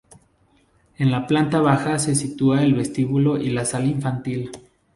En la planta baja se sitúa el vestíbulo y la sala infantil.